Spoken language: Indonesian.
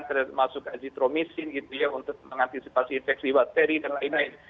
termasuk azitromisin gitu ya untuk mengantisipasi infeksi bakteri dan lain lain